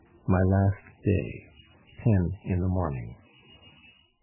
"My last day; ten in the morning.